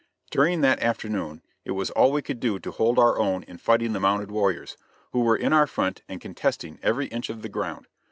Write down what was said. During that afternoon it was all we could do to hold our own in fighting the mounted warriors, who were in our front and contesting every inch of the ground.